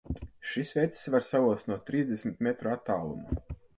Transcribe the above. Šis vecis var saost no trīsdesmit metru attāluma!